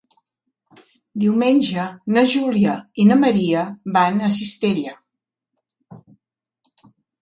Diumenge na Júlia i na Maria van a Cistella.